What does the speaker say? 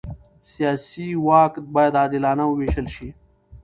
سیاسي واک باید عادلانه ووېشل شي